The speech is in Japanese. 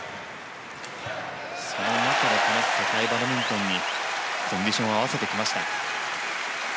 その中で、世界バドミントンにコンディションを合わせてきました。